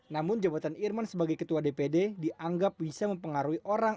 namun jabatan irman sebagai ketua dpd dianggap bisa mempengaruhi orang